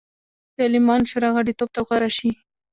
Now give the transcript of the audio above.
د عالمانو شورا غړیتوب ته غوره شي.